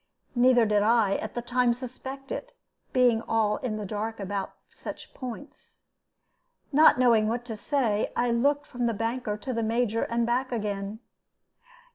Neither did I, at the time, suspect it, being all in the dark upon such points. Not knowing what to say, I looked from the banker to the Major, and back again.